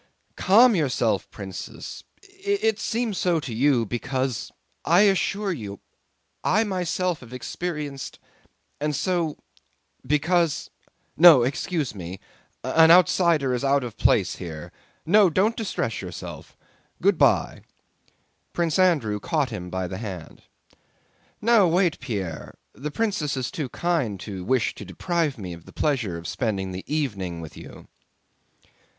"Calm yourself, Princess! It seems so to you because.... I assure you I myself have experienced ... and so ... because ... No, excuse me! An outsider is out of place here.... No, don't distress yourself.... Good by!" Prince Andrew caught him by the hand. "No, wait, Pierre! The princess is too kind to wish to deprive me of the pleasure of spending the evening with you."